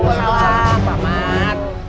pak mat pak mat